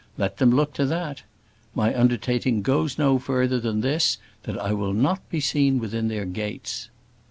Let them look to that. My undertaking goes no further than this, that I will not be seen within their gates."